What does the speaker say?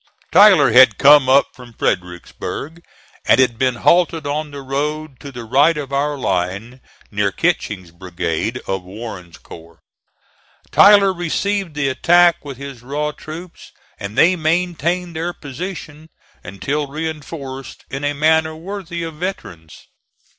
Tyler had come up from Fredericksburg, and had been halted on the road to the right of our line, near Kitching's brigade of Warren's corps. Tyler received the attack with his raw troops, and they maintained their position, until reinforced, in a manner worthy of veterans.